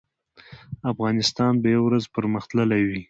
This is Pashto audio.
افغانستان به یو ورځ پرمختللی وي